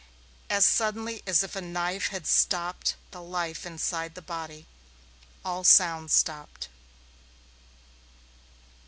As suddenly as if a knife had stopped the life inside the body, all sound stopped.